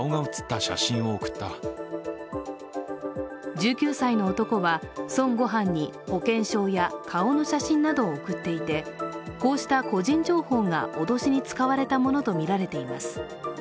１９歳の男は、孫悟飯に保険証や顔の写真などを送っていてこうした個人情報が脅しに使われたものとみられています。